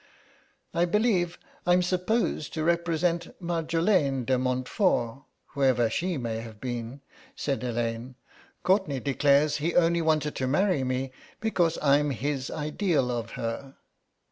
"I believe I'm supposed to represent Marjolaine de Montfort, whoever she may have been," said Elaine. "Courtenay declares he only wanted to marry me because I'm his ideal of her."